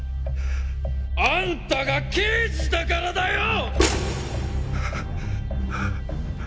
あんたが刑事だからだよ！